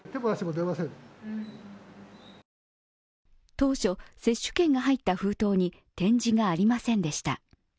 当初、接種券が入った封筒に点字がありませんでした。